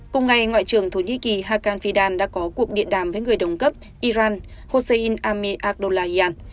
cùng ngày ngoại trưởng thổ nhĩ kỳ hakan fidan đã có cuộc điện đàm với người đồng cấp iran hossein ame adollahian